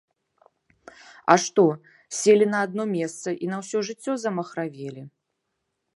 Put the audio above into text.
А што, селі на адно месца і на ўсё жыццё замахравелі?